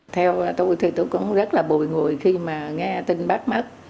theo tôi thì tôi cũng rất là bồi ngùi khi mà nghe tin bắt mắt